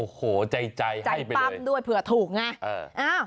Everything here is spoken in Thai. โอ้โหใจให้ไปเลยจัดปั๊บด้วยเผื่อถูกไง